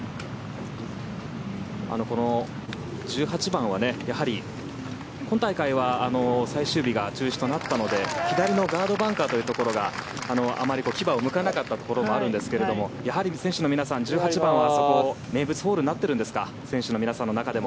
この１８番はやはり今大会は最終日が中止となったので左のガードバンカーというのがあまり牙をむかなかったところがあったんですがやはり選手の皆さん１８番のあそこは名物ホールになっているんですか？